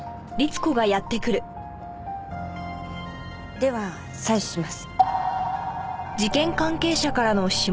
では採取します。